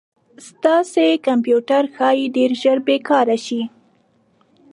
ستاسې کمپیوټر ښایي ډير ژر بې کاره شي